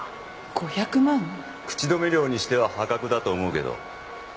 口止め料にしては破格だと思うけど。